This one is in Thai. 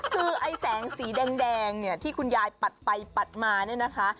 คือไอ้แสงสีแดงเนี่ยที่คุณยายปัดไปปัดมาเนี่ยนะคะ